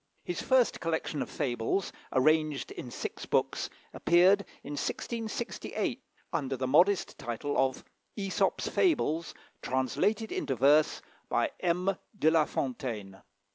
His first collection of fables, arranged in six books, appeared in 1668, under the modest title of "Æsop's Fables: Translated into Verse by M. de la Fontaine."